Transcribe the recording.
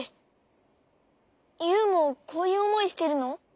ユウもこういうおもいしてるの？